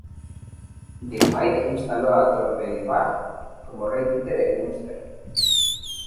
Diarmait Instaló a Toirdelbach como rey títere en Munster.